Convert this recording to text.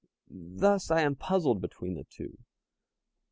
Thus I am puzzled between the two.